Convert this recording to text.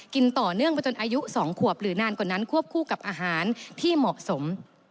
ต่อเนื่องไปจนอายุ๒ขวบหรือนานกว่านั้นควบคู่กับอาหารที่เหมาะสม